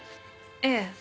ええ。